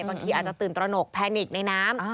บางทีอาจจะตื่นตระหนกแพนิกในน้ำ